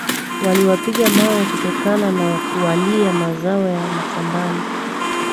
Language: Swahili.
Waliwapiga mawe kutokana na kuwalia mazao ya mashambani